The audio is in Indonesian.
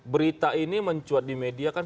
berita ini mencuat di media kan